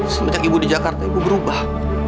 semenjak ibu di jakarta ibu berubah